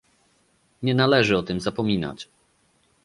Nie należy o tym zapominać